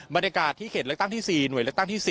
บรรยากาศที่เขตเลือกตั้งที่๔หน่วยเลือกตั้งที่๔